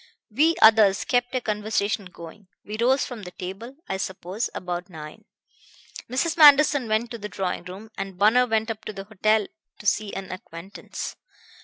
We others kept a conversation going. We rose from the table, I suppose, about nine. Mrs. Manderson went to the drawing room, and Bunner went up to the hotel to see an acquaintance.